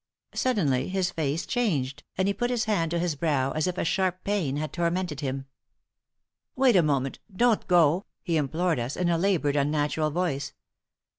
Suddenly his face changed, and he put his hand to his brow as if a sharp pain had tormented him. "Wait a moment! Don't go!" he implored us, in a labored, unnatural voice.